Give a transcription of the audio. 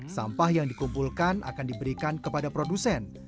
sampah yang dikumpulkan akan diberikan kepada produsen